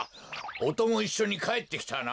おともいっしょにかえってきたな。